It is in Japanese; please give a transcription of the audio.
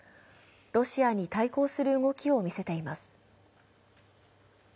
ロシアに対抗する動きを見せています。